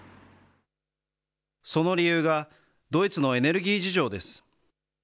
その理由が、ドイツのエネルギー事情です。